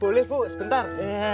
boleh bu sebentar